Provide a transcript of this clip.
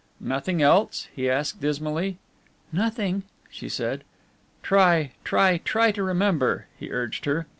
"Nothing else?" he asked dismally. "Nothing," she said. "Try, try, try to remember," he urged her.